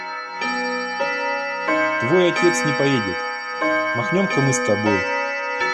Твой отец не поедет; махнем-ка мы с тобой!